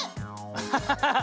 ハハハハハ。